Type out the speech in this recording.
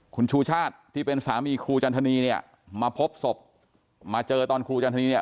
คุณชูชาติที่เป็นสามีครูจันทนีเนี่ยมาพบศพมาเจอตอนครูจันทนีเนี่ย